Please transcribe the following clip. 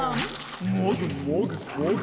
もぐもぐもぐ。